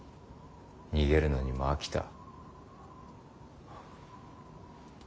逃げるのにも飽きた。